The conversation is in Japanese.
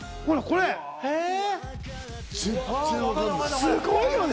すごいよね！